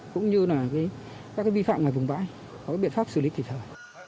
cũng như là các vi phạm ngoài vùng bãi có biện pháp xử lý kịp thời